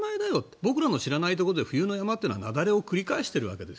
僕らの知らないところで冬の山は雪崩を繰り返しているわけです。